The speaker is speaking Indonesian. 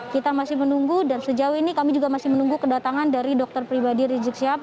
kita masih menunggu dan sejauh ini kami juga masih menunggu kedatangan dari dokter pribadi rizik syihab